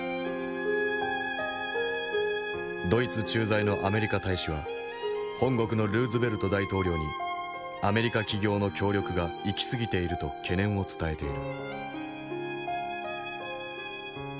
ドイツ駐在のアメリカ大使は本国のルーズベルト大統領にアメリカ企業の協力が行き過ぎていると懸念を伝えている。